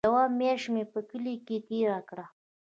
يوه مياشت مې په کلي کښې تېره کړه.